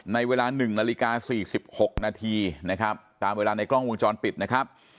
ในเวลา๑นาฬิกา๔๖นาทีนะครับตามเวลาในกล้องวงจรปิดนะครับ